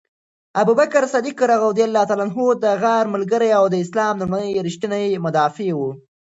ابوبکر صدیق د غار ملګری او د اسلام لومړنی ریښتینی مدافع و.